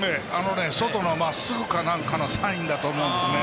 外のまっすぐか何かのサインだと思うんですね。